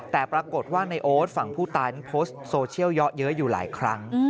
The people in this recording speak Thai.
แต่ปรากฏว่าในโอ๊ตฝั่งผู้ตายนั้นโพสต์โซเชียลเยอะอยู่หลายครั้ง